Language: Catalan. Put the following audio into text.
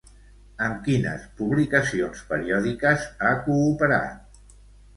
Amb quines publicacions periòdiques ha cooperat?